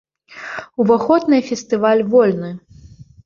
Уваход на фестываль вольны!